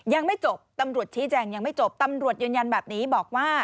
ยังไม่จบตำรวจชี้แจงยังไม่จบตำรวจยืนยันแบบนี้บอกว่า